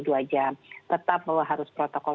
dua jam tetap bahwa harus protokol